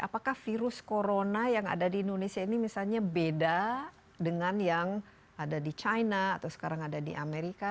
apakah virus corona yang ada di indonesia ini misalnya beda dengan yang ada di china atau sekarang ada di amerika